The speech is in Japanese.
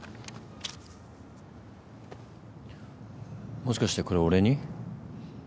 もしかしてこれ俺に？